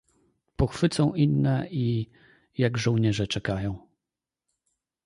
"Pochwycą inne i, jak żołnierze, czekają."